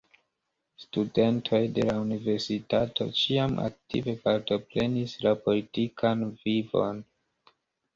Studentoj de la universitato ĉiam aktive partoprenis la politikan vivon.